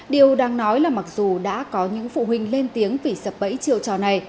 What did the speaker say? điều đang nói là mặc dù đã có những phụ huynh lên tiếng vì sập bẫy chiều trò này